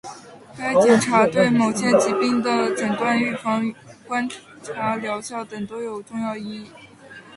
该检查对某些疾病的诊断、预防、观察疗效等都有重要意义